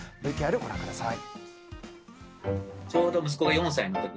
ＶＴＲをご覧ください。